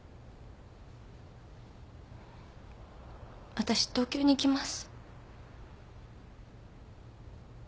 わたし東京に行きます。